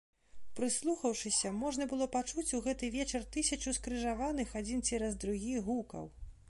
Прыслухаўшыся, можна было пачуць у гэты вечар тысячу скрыжаваных, адзін цераз другі, гукаў.